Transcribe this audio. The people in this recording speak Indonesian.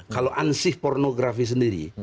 kalau ansih pornografi sendiri